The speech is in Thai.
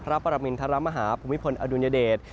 พระประมิณฑรามหาผงวิพลอดุญเดช